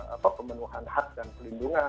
apa pemenuhan hak dan pelindungan